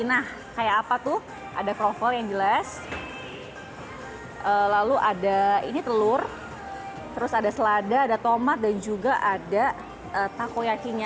nah kayak apa tuh ada kroffel yang jelas lalu ada ini telur terus ada selada ada tomat dan juga ada takoyakinya